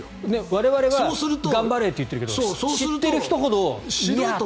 我々は頑張れって言うけど知ってる人ほど、いやって。